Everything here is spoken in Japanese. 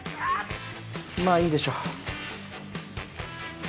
まあいいでしょう。